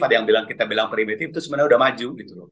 ada yang bilang kita bilang primitif itu sebenarnya udah maju gitu loh